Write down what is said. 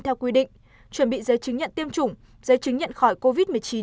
theo quy định chuẩn bị giấy chứng nhận tiêm chủng giấy chứng nhận khỏi covid một mươi chín